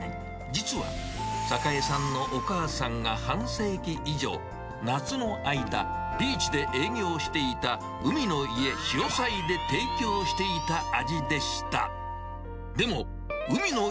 実は、栄さんのお母さんが半世紀以上、夏の間、ビーチで営業していた海の家しおさいで提供していた味でした。